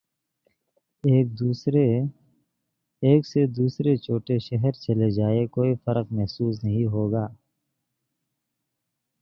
ایک سے دوسرے چھوٹے شہر چلے جائیں کوئی فرق محسوس نہیں ہو گا۔